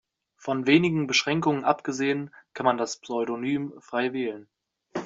Von wenigen Beschränkungen abgesehen kann man das Pseudonym frei wählen.